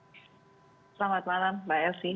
selamat malam mbak elsie